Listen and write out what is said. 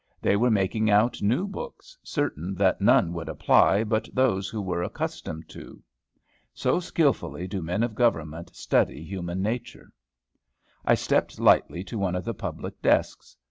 They were making out new books, certain that none would apply but those who were accustomed to. So skilfully do men of Government study human nature. I stepped lightly to one of the public desks.